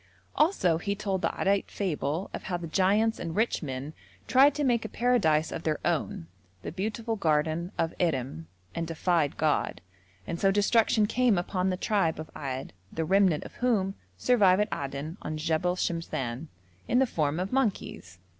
Also he told the Addite fable of how the giants and rich men tried to make a paradise of their own, the beautiful garden of Irem, and defied God, and so destruction came upon the tribe of Ad, the remnant of whom survive at Aden on Jebel Shemshan, in the form of monkeys.